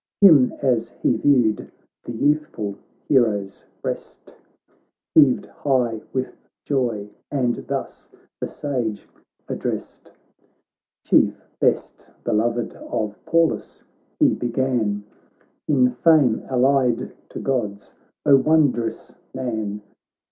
Him as he viewed, the youthful hero's breast Heaved high with joy, and thus the Sage addressed :' Chief, best beloved of Pallas,' he began, ' In fame allied to Gods, O wondrous man'!